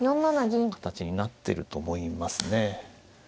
形になってると思いますね。